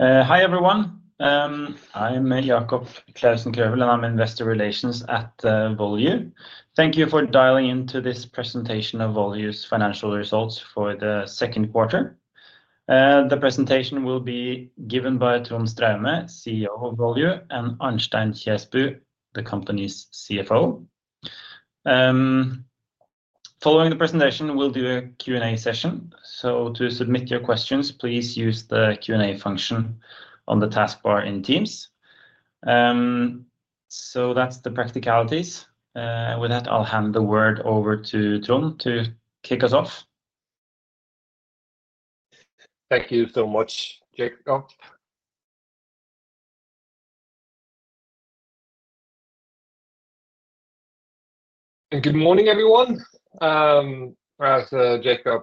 Hi, everyone. I'm Jacob Clausen Krøvel, and I'm Investor Relations at Volue. Thank you for dialing into this presentation of Volue's financial results for the second quarter. The presentation will be given by Trond Straume, CEO of Volue, and Arnstein Kjesbu, the company's CFO. Following the presentation, we'll do a Q&A session. So to submit your questions, please use the Q&A function on the taskbar in Teams. So that's the practicalities. With that, I'll hand the word over to Trond to kick us off. Thank you so much, Jacob. Good morning, everyone. As Jacob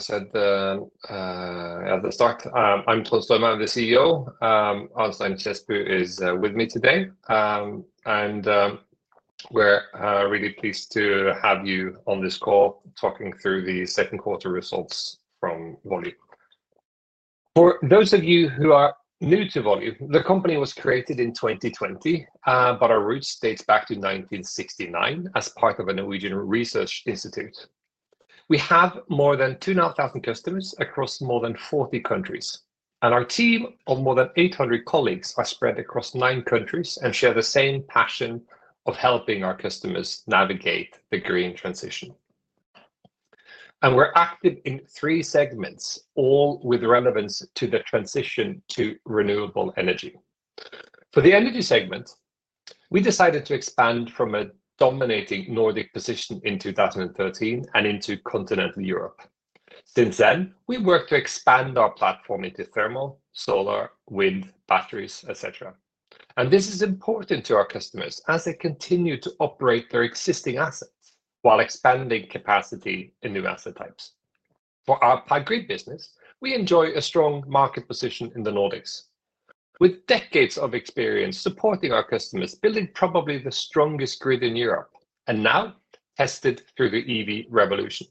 said at the start, I'm Trond Straume, the CEO. Arnstein Kjesbu is with me today. And we're really pleased to have you on this call, talking through the second quarter results from Volue. For those of you who are new to Volue, the company was created in 2020, but our roots dates back to 1969 as part of a Norwegian research institute. We have more than 2,500 customers across more than 40 countries, and our team of more than 800 colleagues are spread across nine countries and share the same passion of helping our customers navigate the green transition. We're active in three segments, all with relevance to the transition to renewable energy. For the energy segment, we decided to expand from a dominating Nordic position in 2013 and into continental Europe. Since then, we've worked to expand our platform into thermal, solar, wind, batteries, et cetera, and this is important to our customers as they continue to operate their existing assets while expanding capacity in new asset types. For our Power Grid business, we enjoy a strong market position in the Nordics. With decades of experience supporting our customers, building probably the strongest grid in Europe, and now tested through the EV revolution.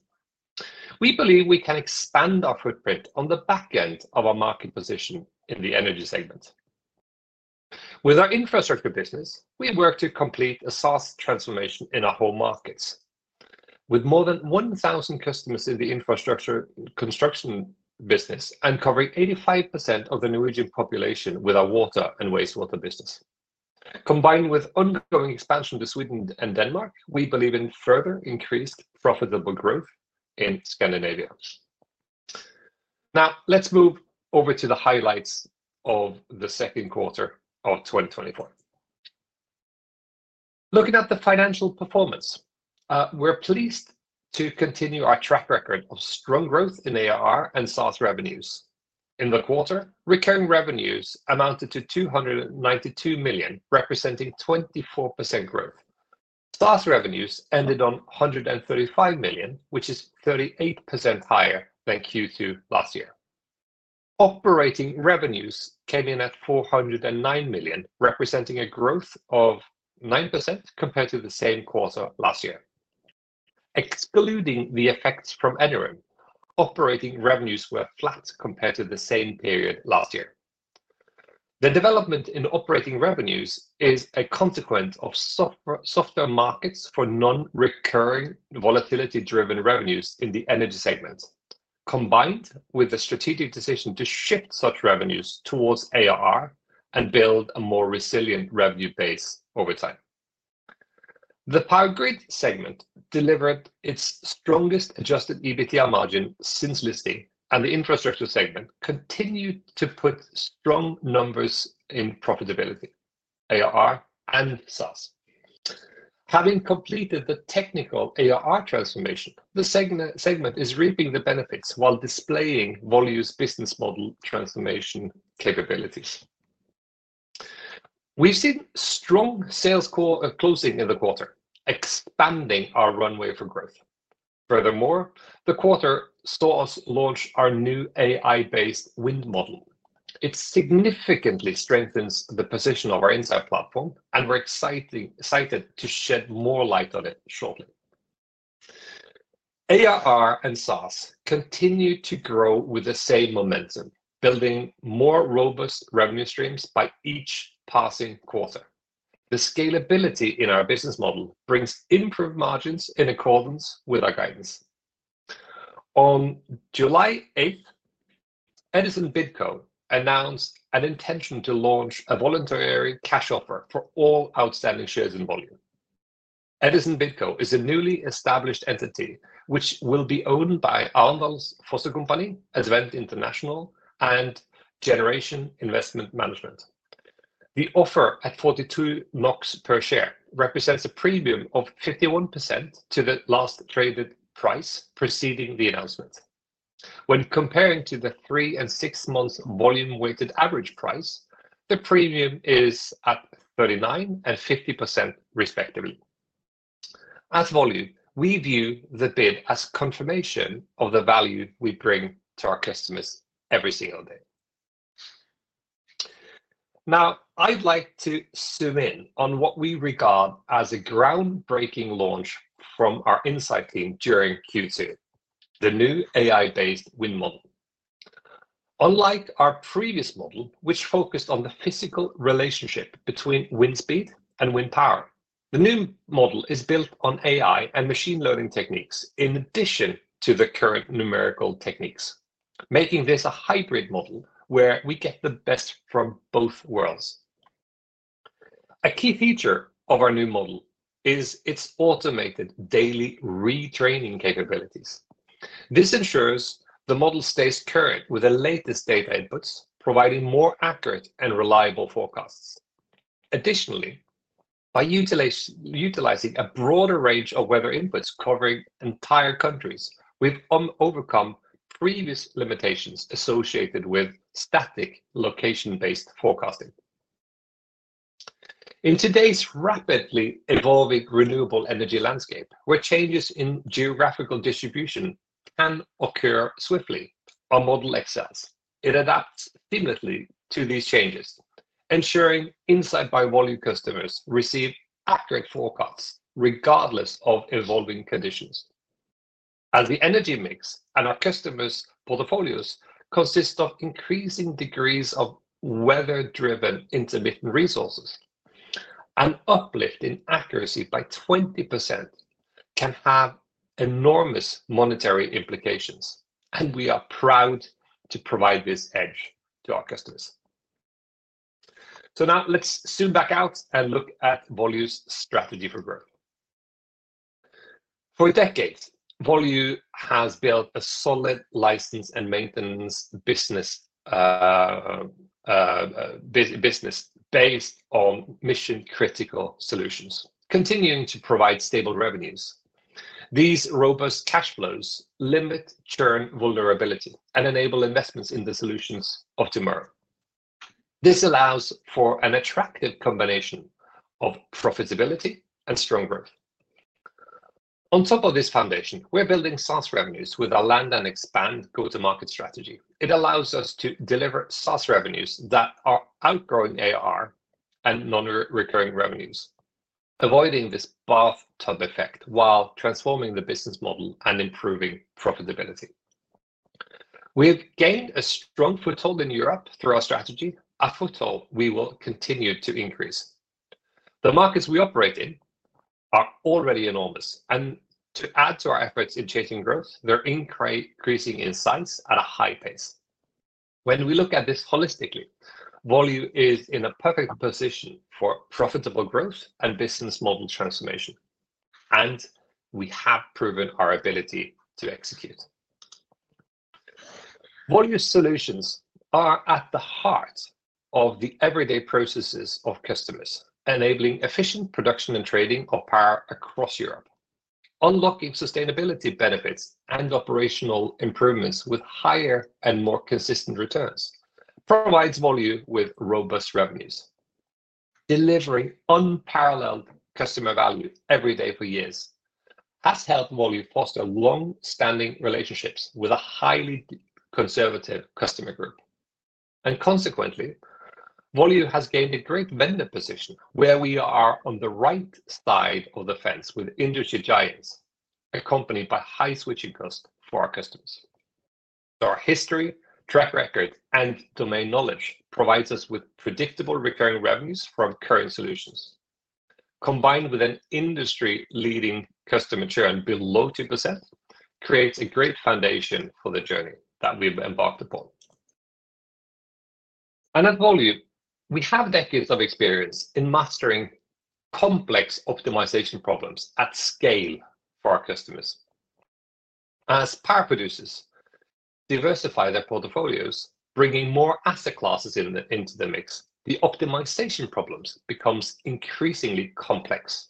We believe we can expand our footprint on the back end of our market position in the energy segment. With our infrastructure business, we work to complete a SaaS transformation in our home markets. With more than 1,000 customers in the infrastructure construction business and covering 85% of the Norwegian population with our water and wastewater business. Combined with ongoing expansion to Sweden and Denmark, we believe in further increased profitable growth in Scandinavia. Now, let's move over to the highlights of the second quarter of 2024. Looking at the financial performance, we're pleased to continue our track record of strong growth in ARR and SaaS revenues. In the quarter, recurring revenues amounted to 292 million, representing 24% growth. SaaS revenues ended on 135 million, which is 38% higher than Q2 last year. Operating revenues came in at 409 million, representing a growth of 9% compared to the same quarter last year. Excluding the effects from Enerim, operating revenues were flat compared to the same period last year. The development in operating revenues is a consequence of softer markets for non-recurring volatility-driven revenues in the energy segment, combined with a strategic decision to shift such revenues towards ARR and build a more resilient revenue base over time. The Power Grid segment delivered its strongest adjusted EBITDA margin since listing, and the infrastructure segment continued to put strong numbers in profitability, ARR, and SaaS. Having completed the technical ARR transformation, the segment is reaping the benefits while displaying Volue's business model transformation capabilities. We've seen strong sales closing in the quarter, expanding our runway for growth. Furthermore, the quarter saw us launch our new AI-based wind model. It significantly strengthens the position of our Insight platform, and we're excited to shed more light on it shortly. ARR and SaaS continue to grow with the same momentum, building more robust revenue streams by each passing quarter. The scalability in our business model brings improved margins in accordance with our guidance. On July 8, Edison BidCo announced an intention to launch a voluntary cash offer for all outstanding shares in Volue. Edison BidCo is a newly established entity, which will be owned by Arendals Fossekompani, Advent International, and Generation Investment Management. The offer, at 42 NOK per share, represents a premium of 51% to the last traded price preceding the announcement. When comparing to the three and six month volume-weighted average price, the premium is at 39% and 50%, respectively. At Volue, we view the bid as confirmation of the value we bring to our customers every single day. Now, I'd like to zoom in on what we regard as a groundbreaking launch from our Insight team during Q2, the new AI-based wind model. Unlike our previous model, which focused on the physical relationship between wind speed and wind power, the new model is built on AI and machine learning techniques, in addition to the current numerical techniques, making this a hybrid model where we get the best from both worlds. A key feature of our new model is its automated daily retraining capabilities. This ensures the model stays current with the latest data inputs, providing more accurate and reliable forecasts. Additionally, by utilizing a broader range of weather inputs covering entire countries, we've overcome previous limitations associated with static, location-based forecasting. In today's rapidly evolving renewable energy landscape, where changes in geographical distribution can occur swiftly, our model excels. It adapts seamlessly to these changes, ensuring Insight by Volue customers receive accurate forecasts, regardless of evolving conditions. As the energy mix and our customers' portfolios consist of increasing degrees of weather-driven, intermittent resources, an uplift in accuracy by 20% can have enormous monetary implications, and we are proud to provide this edge to our customers. So now let's zoom back out and look at Volue's strategy for growth. For decades, Volue has built a solid license and maintenance business based on mission-critical solutions, continuing to provide stable revenues. These robust cash flows limit churn vulnerability and enable investments in the solutions of tomorrow. This allows for an attractive combination of profitability and strong growth. On top of this foundation, we're building SaaS revenues with our land and expand go-to-market strategy. It allows us to deliver SaaS revenues that are outgrowing ARR and nonrecurring revenues, avoiding this bathtub effect while transforming the business model and improving profitability. We have gained a strong foothold in Europe through our strategy, a foothold we will continue to increase. The markets we operate in are already enormous, and to add to our efforts in chasing growth, they're increasing in size at a high pace. When we look at this holistically, Volue is in a perfect position for profitable growth and business model transformation, and we have proven our ability to execute. Volue solutions are at the heart of the everyday processes of customers, enabling efficient production and trading of power across Europe. Unlocking sustainability benefits and operational improvements with higher and more consistent returns provides Volue with robust revenues. Delivering unparalleled customer value every day for years has helped Volue foster long-standing relationships with a highly conservative customer group. Consequently, Volue has gained a great vendor position where we are on the right side of the fence with industry giants, accompanied by high switching costs for our customers. Our history, track record, and domain knowledge provides us with predictable recurring revenues from current solutions. Combined with an industry-leading customer churn below 2%, creates a great foundation for the journey that we've embarked upon. At Volue, we have decades of experience in mastering complex optimization problems at scale for our customers. As power producers diversify their portfolios, bringing more asset classes into the mix, the optimization problems becomes increasingly complex,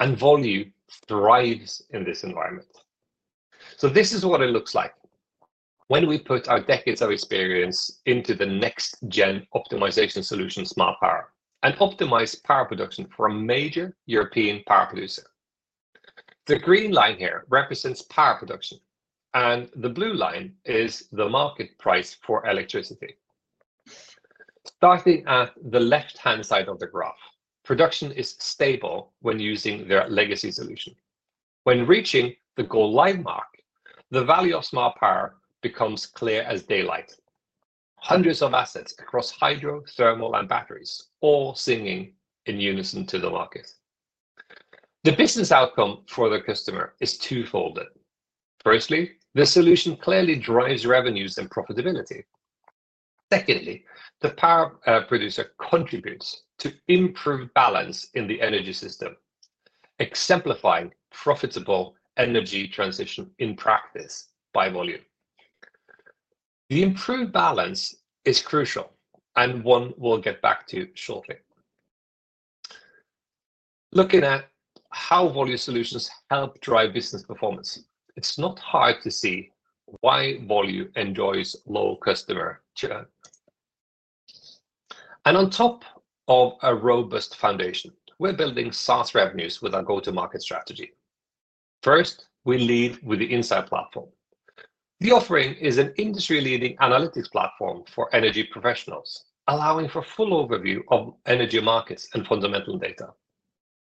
and Volue thrives in this environment. This is what it looks like when we put our decades of experience into the next-gen optimization solution, Smart Power, and optimize power production for a major European power producer. The green line here represents power production, and the blue line is the market price for electricity. Starting at the left-hand side of the graph, production is stable when using their legacy solution. When reaching the go-live mark, the value of Smart Power becomes clear as daylight. Hundreds of assets across hydro, thermal, and batteries, all singing in unison to the market. The business outcome for the customer is twofold. Firstly, the solution clearly drives revenues and profitability. Secondly, the power producer contributes to improved balance in the energy system, exemplifying profitable energy transition in practice by Volue. The improved balance is crucial, and one we'll get back to shortly. Looking at how Volue solutions help drive business performance, it's not hard to see why Volue enjoys low customer churn. On top of a robust foundation, we're building SaaS revenues with our go-to-market strategy. First, we lead with the insight platform. The offering is an industry-leading analytics platform for energy professionals, allowing for full overview of energy markets and fundamental data.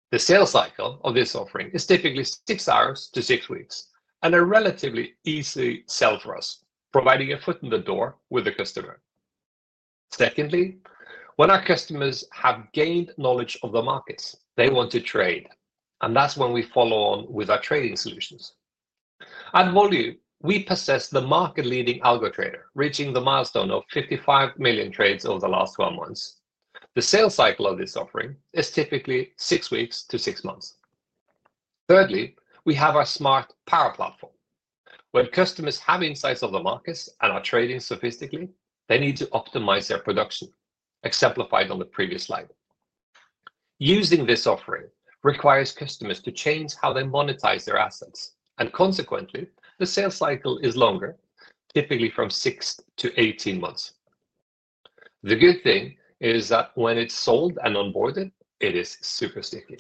The sales cycle of this offering is typically six hours to six weeks and a relatively easy sell for us, providing a foot in the door with the customer. Secondly, when our customers have gained knowledge of the markets, they want to trade, and that's when we follow on with our trading solutions. At Volue, we possess the market-leading Algo Trader, reaching the milestone of 55 million trades over the last 12 months. The sales cycle of this offering is typically six weeks to six months. Thirdly, we have our Smart Power platform. When customers have insights of the markets and are trading sophisticatedly, they need to optimize their production, exemplified on the previous slide. Using this offering requires customers to change how they monetize their assets, and consequently, the sales cycle is longer, typically from six to 18 months. The good thing is that when it's sold and onboarded, it is super sticky.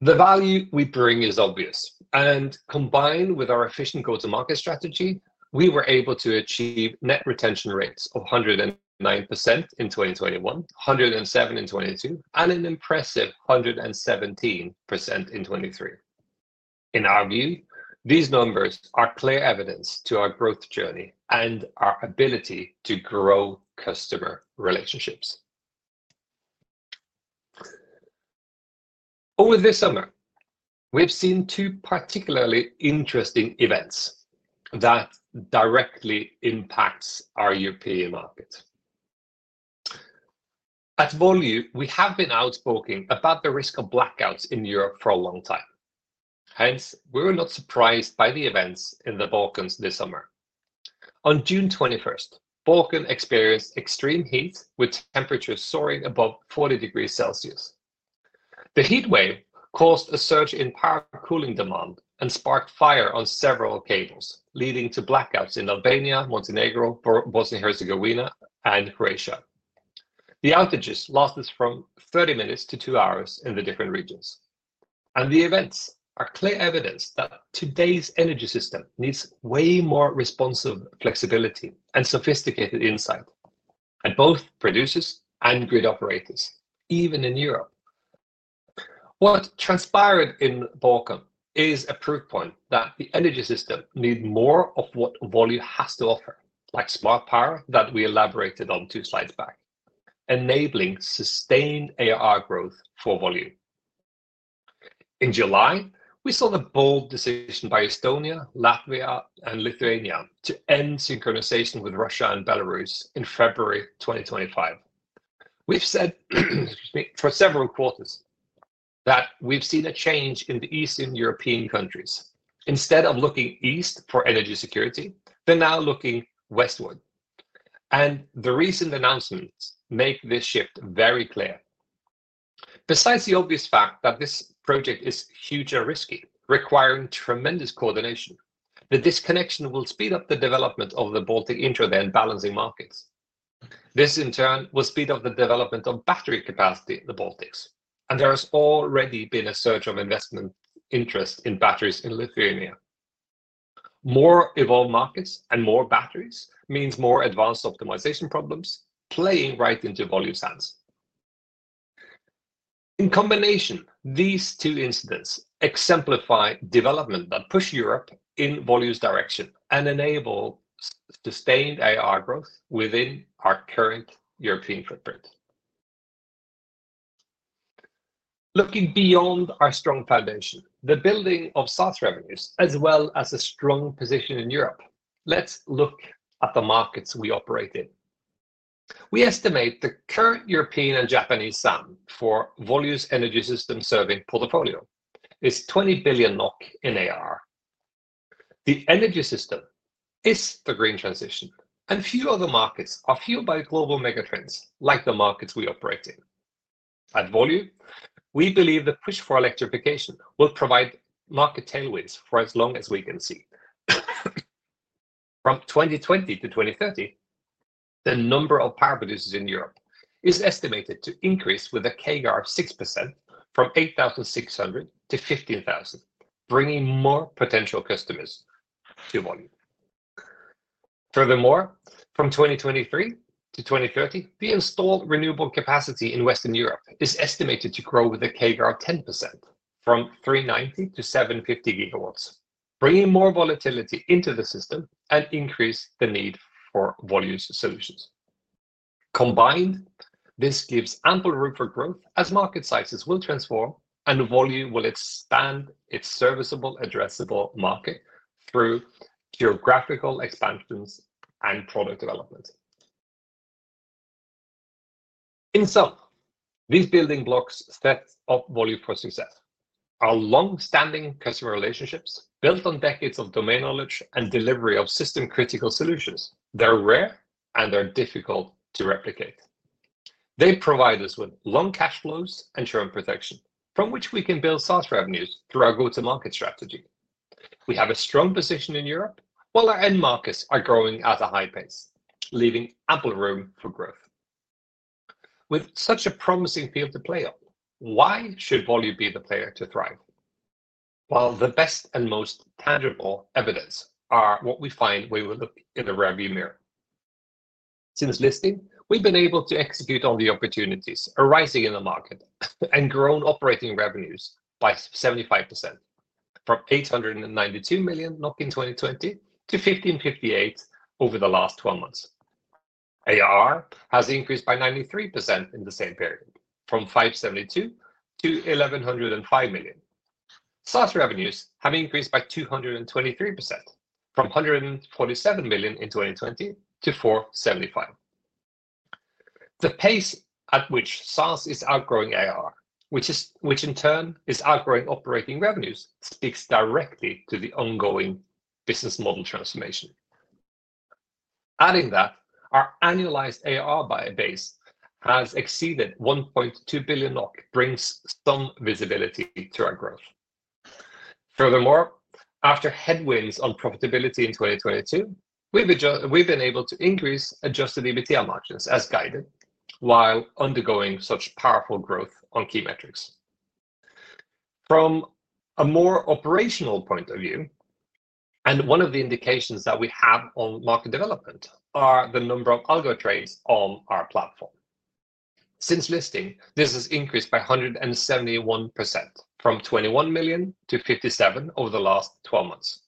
The value we bring is obvious, and combined with our efficient go-to-market strategy, we were able to achieve net retention rates of 109% in 2021, 107% in 2022, and an impressive 117% in 2023. In our view, these numbers are clear evidence to our growth journey and our ability to grow customer relationships. Over this summer, we've seen two particularly interesting events that directly impacts our European market. At Volue, we have been outspoken about the risk of blackouts in Europe for a long time. Hence, we were not surprised by the events in the Balkans this summer. On June 21st, the Balkans experienced extreme heat, with temperatures soaring above 40 degrees Celsius. The heatwave caused a surge in power cooling demand and sparked fire on several cables, leading to blackouts in Albania, Montenegro, Bosnia and Herzegovina, and Croatia. The outages lasted from 30 minutes to 2 hours in the different regions, and the events are clear evidence that today's energy system needs way more responsive flexibility and sophisticated insight, and both producers and grid operators, even in Europe. What transpired in the Balkans is a proof point that the energy system need more of what Volue has to offer, like Smart Power, that we elaborated on two slides back, enabling sustained ARR growth for Volue. In July, we saw the bold decision by Estonia, Latvia, and Lithuania to end synchronization with Russia and Belarus in February 2025. We've said, excuse me, for several quarters that we've seen a change in the Eastern European countries. Instead of looking east for energy security, they're now looking westward, and the recent announcements make this shift very clear. Besides the obvious fact that this project is huge and risky, requiring tremendous coordination, the disconnection will speed up the development of the Baltic intraday and balancing markets. This, in turn, will speed up the development of battery capacity in the Baltics, and there has already been a surge of investment interest in batteries in Lithuania. More evolved markets and more batteries means more advanced optimization problems, playing right into Volue's hands. In combination, these two incidents exemplify development that push Europe in Volue's direction and enable sustained ARR growth within our current European footprint. Looking beyond our strong foundation, the building of SaaS revenues, as well as a strong position in Europe, let's look at the markets we operate in. We estimate the current European and Japanese SAM for Volue's energy system serving portfolio is 20 billion NOK in ARR. The energy system is the green transition, and few other markets are fueled by global mega trends like the markets we operate in. At Volue, we believe the push for electrification will provide market tailwinds for as long as we can see. From 2020 to 2030, the number of power producers in Europe is estimated to increase with a CAGR of 6%, from 8,600 to 15,000, bringing more potential customers to Volue. Furthermore, from 2023 to 2030, the installed renewable capacity in Western Europe is estimated to grow with a CAGR of 10%, from 390 to 750 GW, bringing more volatility into the system and increase the need for Volue's solutions. Combined, this gives ample room for growth as market sizes will transform, and Volue will expand its serviceable addressable market through geographical expansions and product development. In sum, these building blocks set up Volue for success. Our long-standing customer relationships, built on decades of domain knowledge and delivery of system-critical solutions, they're rare, and they're difficult to replicate. They provide us with long cash flows and churn protection, from which we can build SaaS revenues through our go-to-market strategy. We have a strong position in Europe, while our end markets are growing at a high pace, leaving ample room for growth.... With such a promising field to play on, why should Volue be the player to thrive? Well, the best and most tangible evidence are what we find when we look in the rear view mirror. Since listing, we've been able to execute on the opportunities arising in the market, and grown operating revenues by 75%, from 892 million NOK in 2020 to 1,558 million over the last 12 months. ARR has increased by 93% in the same period, from 572 million to 1,105 million. SaaS revenues have increased by 223%, from 147 million in 2020 to 475 million. The pace at which SaaS is outgrowing ARR, which in turn is outgrowing operating revenues, speaks directly to the ongoing business model transformation. Adding that, our annualized ARR buyer base has exceeded 1.2 billion NOK, brings some visibility to our growth. Furthermore, after headwinds on profitability in 2022, we've been able to increase adjusted EBITDA margins as guided, while undergoing such powerful growth on key metrics. From a more operational point of view, and one of the indications that we have on market development, are the number of algo trades on our platform. Since listing, this has increased by 171%, from 21 million to 57 million over the last 12 months.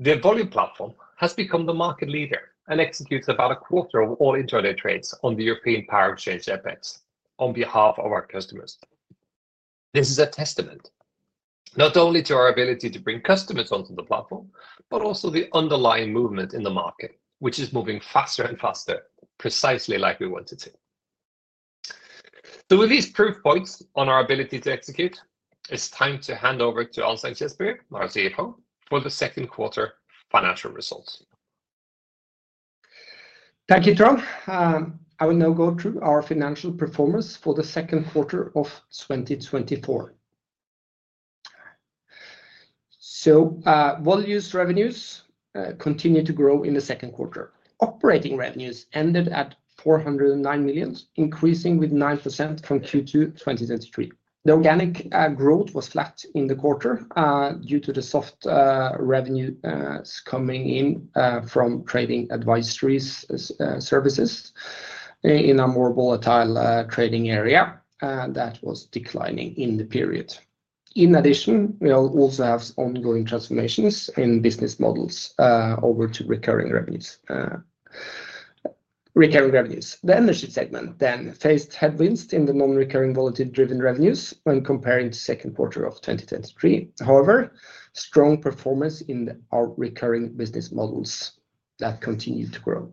The Volue platform has become the market leader and executes about a quarter of all intraday trades on the European Power Exchange EPEX on behalf of our customers. This is a testament, not only to our ability to bring customers onto the platform, but also the underlying movement in the market, which is moving faster and faster, precisely like we want it to. So with these proof points on our ability to execute, it's time to hand over to Arnstein Kjesbu, our CFO, for the second quarter financial results. Thank you, Trond. I will now go through our financial performance for the second quarter of 2024. Volue's revenues continued to grow in the second quarter. Operating revenues ended at 409 million, increasing with 9% from Q2 2023. The organic growth was flat in the quarter due to the soft revenue coming in from trading advisories services in a more volatile trading area that was declining in the period. In addition, we also have ongoing transformations in business models over to recurring revenues. The Energy segment then faced headwinds in the non-recurring volatility-driven revenues when comparing the second quarter of 2023. However, strong performance in our recurring business models that continued to grow.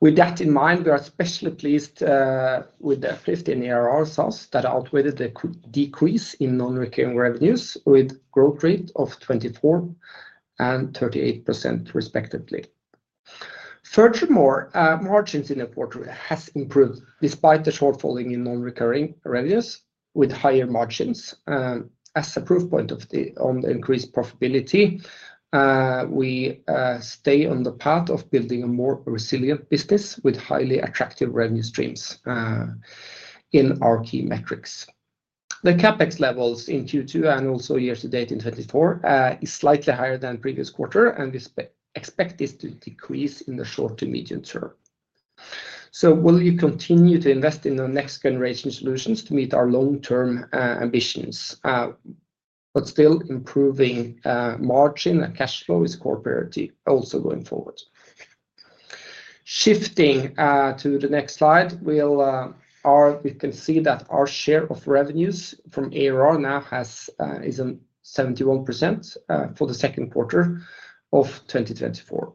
With that in mind, we are especially pleased with the uplift in ARR SaaS that outweighed the decrease in non-recurring revenues, with growth rate of 24% and 38%, respectively. Furthermore, margins in the quarter has improved despite the short falling in non-recurring revenues, with higher margins. As a proof point of the, on the increased profitability, we stay on the path of building a more resilient business with highly attractive revenue streams in our key metrics. The CapEx levels in Q2 and also year to date in 2024 is slightly higher than previous quarter, and we expect this to decrease in the short to medium term. So Volue continue to invest in the next generation solutions to meet our long-term ambitions, but still improving margin and cash flow is a core priority also going forward. Shifting to the next slide, we'll, we can see that our share of revenues from ARR now has, is on 71%, for the second quarter of 2024.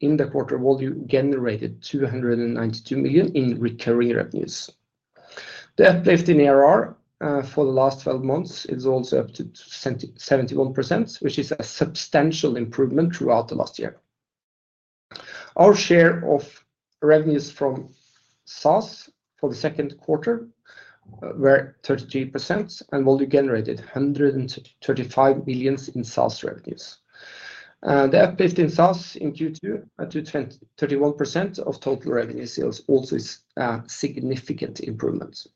In the quarter, Volue generated 292 million in recurring revenues. The uplift in ARR, for the last 12 months is also up to 71%, which is a substantial improvement throughout the last year. Our share of revenues from SaaS for the second quarter were 33%, and Volue generated 135 million in SaaS revenues. The uplift in SaaS in Q2, to 31% of total revenue sales, also is a significant improvement.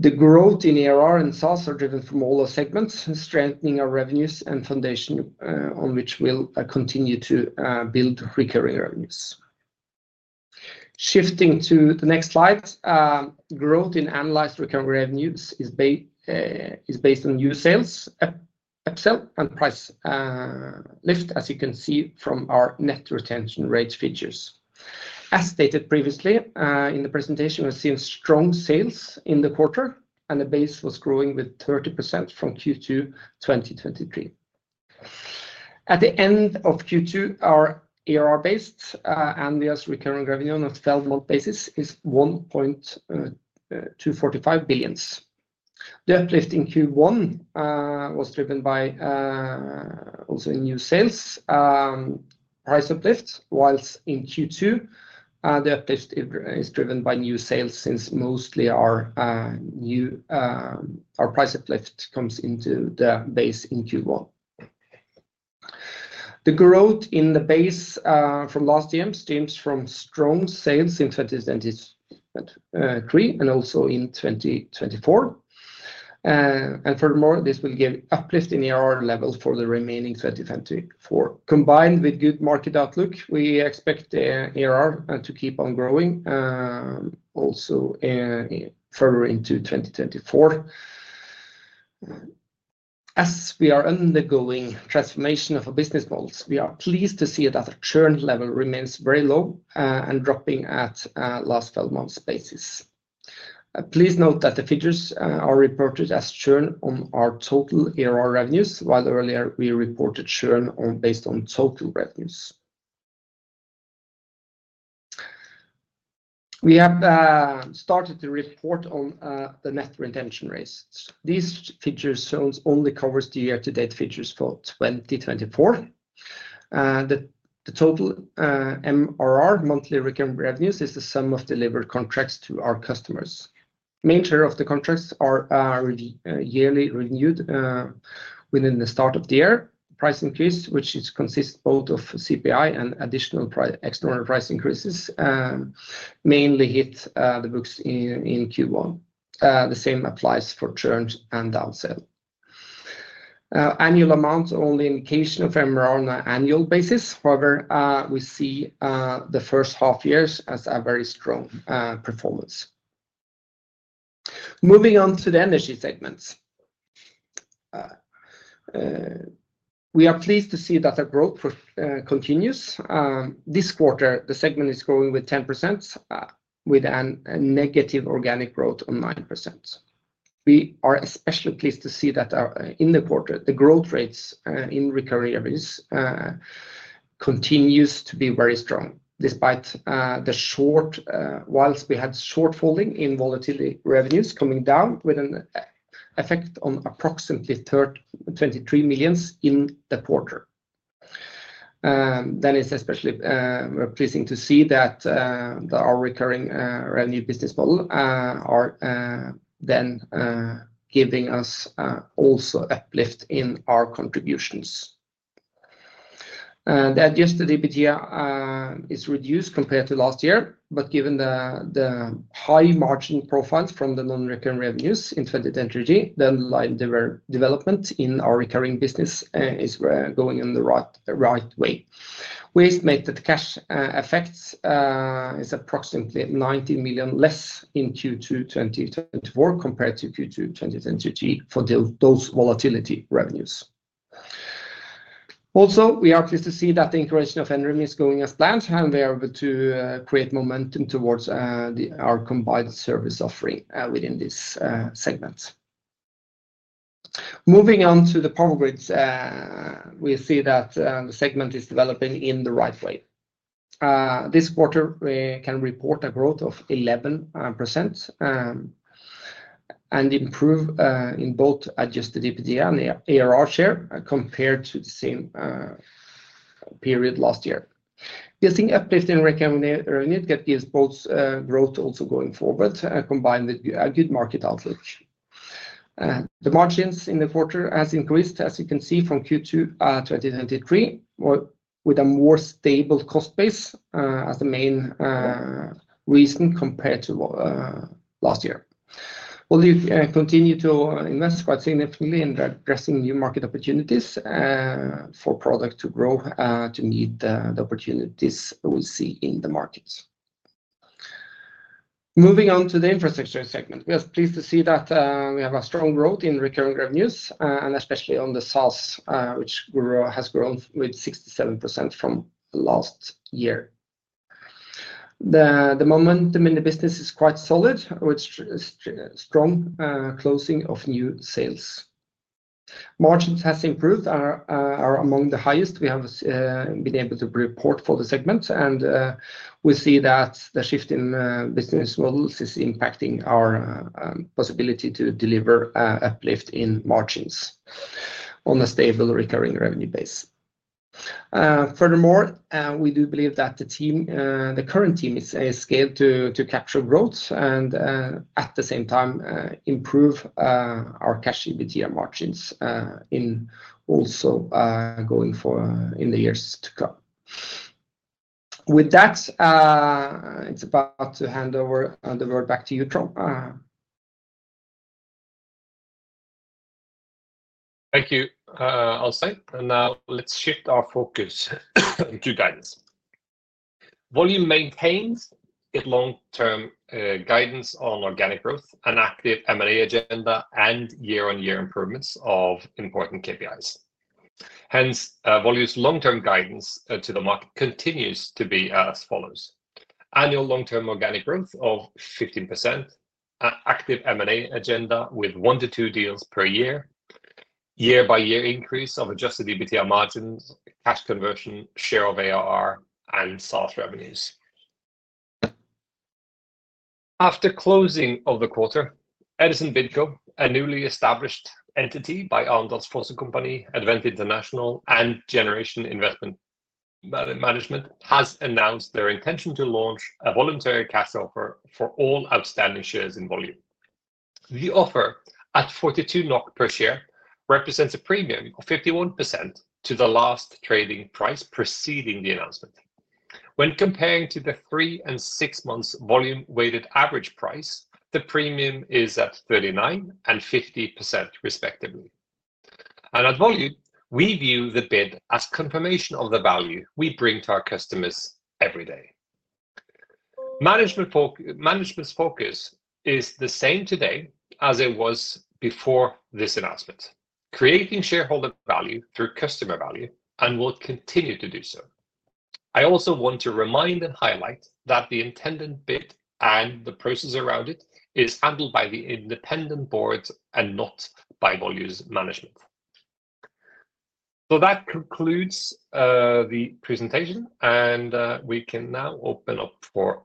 The growth in ARR and SaaS are driven from all the segments, strengthening our revenues and foundation, on which we'll continue to build recurring revenues. Shifting to the next slide, growth in annualized recurring revenues is based on new sales, upsell, and price lift, as you can see from our net retention rate features. As stated previously in the presentation, we've seen strong sales in the quarter, and the base was growing with 30% from Q2 2023. At the end of Q2, our ARR base, annual recurring revenue on a 12-month basis, is 1.245 billion. The uplift in Q1 was driven by also in new sales, price uplift, whilst in Q2, the uplift is driven by new sales, since mostly our new our price uplift comes into the base in Q1. The growth in the base from last year stems from strong sales in 2023, and also in 2024. And furthermore, this will give uplift in ARR levels for the remaining 2024. Combined with good market outlook, we expect ARR to keep on growing also further into 2024. As we are undergoing transformation of our business models, we are pleased to see that the churn level remains very low and dropping at last 12 months basis. Please note that the figures are reported as churn on our total ARR revenues, while earlier we reported churn based on total revenues. We have started to report on the net retention rates. These figures shows only covers the year-to-date figures for 2024. The total MRR, monthly recurring revenues, is the sum of delivered contracts to our customers. Main term of the contracts are yearly renewed within the start of the year. Price increase, which is consist both of CPI and additional external price increases, mainly hit the books in Q1. The same applies for churn and downsell. Annual amount only indication of MRR on an annual basis. However, we see the first half years as a very strong performance. Moving on to the energy segments. We are pleased to see that the growth continues. This quarter, the segment is growing with 10%, with a negative organic growth of 9%. We are especially pleased to see that, in the quarter, the growth rates in recurring revenues continues to be very strong, despite the short, while we had shortfall in volatility revenues coming down with an effect on approximately 23 million in the quarter. Then it's especially pleasing to see that our recurring revenue business model are then giving us also uplift in our contributions. The adjusted EBITDA is reduced compared to last year, but given the high margin profiles from the non-recurring revenues in energy, then line development in our recurring business is going in the right way. We estimate that cash effects is approximately 90 million less in Q2 2024 compared to Q2 2023 for those volatility revenues. Also, we are pleased to see that the integration of Enerim is going as planned, and we are able to create momentum towards our combined service offering within this segment. Moving on to the Power Grids, we see that the segment is developing in the right way. This quarter, we can report a growth of 11%, and improve in both adjusted EBITDA and ARR share compared to the same period last year. Building uplift in recurring earning, it gives both growth also going forward, combined with a good market outlook. The margins in the quarter has increased, as you can see, from Q2 2023, with a more stable cost base as the main reason compared to last year. Well, we continue to invest quite significantly in addressing new market opportunities for product to grow to meet the opportunities we see in the markets. Moving on to the infrastructure segment. We are pleased to see that we have a strong growth in recurring revenues and especially on the SaaS, which has grown with 67% from last year. The momentum in the business is quite solid, with strong closing of new sales. Margins has improved and are among the highest we have been able to report for the segment, and we see that the shift in business models is impacting our possibility to deliver uplift in margins on a stable recurring revenue base. Furthermore, we do believe that the current team is scaled to capture growth and at the same time improve our cash EBITDA margins in the years to come. With that, it's about to hand over the word back to you, Trond. Thank you, Arnstein, and now let's shift our focus to guidance. Volue maintains its long-term guidance on organic growth, an active M&A agenda, and year-on-year improvements of important KPIs. Hence, Volue's long-term guidance to the market continues to be as follows: annual long-term organic growth of 15%, an active M&A agenda with 1-2 deals per year, year-by-year increase of adjusted EBITDA margins, cash conversion, share of ARR, and SaaS revenues. After closing of the quarter, Edison BidCo, a newly established entity by Arendals Fossekompani, Advent International, and Generation Investment Management, has announced their intention to launch a voluntary cash offer for all outstanding shares in Volue. The offer, at 42 NOK per share, represents a premium of 51% to the last trading price preceding the announcement. When comparing to the three and six months volume weighted average price, the premium is at 39% and 50% respectively. At Volue, we view the bid as confirmation of the value we bring to our customers every day. Management's focus is the same today as it was before this announcement, creating shareholder value through customer value, and will continue to do so. I also want to remind and highlight that the intended bid and the process around it is handled by the independent boards and not by Volue's management. That concludes the presentation, and we can now open up for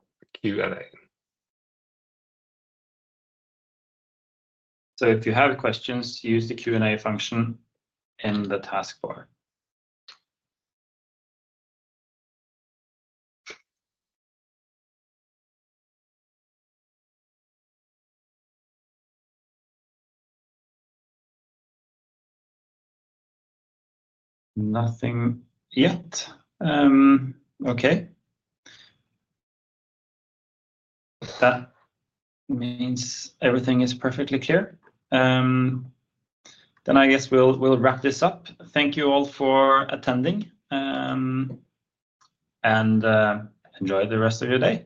Q&A. If you have questions, use the Q&A function in the taskbar. Nothing yet. Okay. That means everything is perfectly clear. Then I guess we'll wrap this up. Thank you all for attending, and enjoy the rest of your day.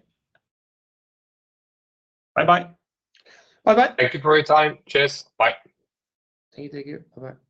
Bye-bye. Bye-bye. Thank you for your time. Cheers. Bye. Thank you. Thank you. Bye-bye.